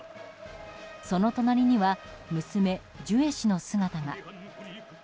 その隣には娘ジュエ氏の姿が。